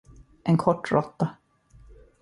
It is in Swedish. En kort råtta.